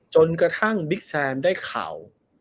จนกระทั่งบิ๊กแซมได้ข่าว